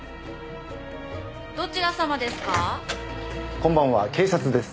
こんばんは警察です。